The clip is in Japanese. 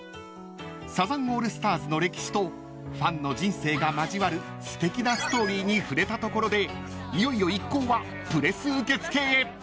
［サザンオールスターズの歴史とファンの人生が交わるすてきなストーリーに触れたところでいよいよ一行は］